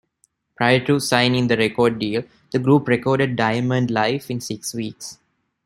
Prior to signing the record deal, the group recorded "Diamond Life" in six weeks.